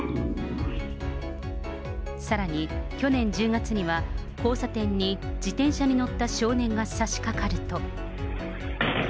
さらに去年１０月には交差点に自転車に乗った少年がさしかかると。